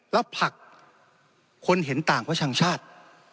แล้วผลักคนเห็นต่างเพราะช่างชาติ